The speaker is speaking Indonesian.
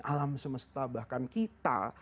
alam semesta bahkan kita